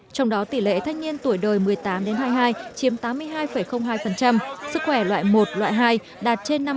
trong đó tỷ lệ thanh niên tuổi đời một mươi tám đến hai mươi hai chiếm tám mươi hai hai sức khỏe loại một loại hai đạt trên năm mươi